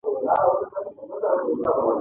همدارنګه په اوبیز وخت کې اوبه ذخیره کوي.